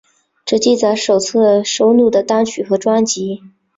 只记载首次收录的单曲和专辑。